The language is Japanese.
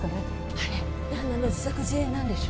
あれ旦那の自作自演なんでしょう？